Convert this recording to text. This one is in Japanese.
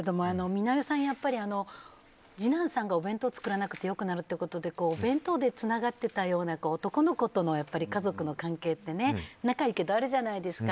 美奈代さん、次男さんがお弁当作らなくてよくなるということでお弁当でつながってたような男の子との家族の関係って仲いいけど、あるじゃないですか。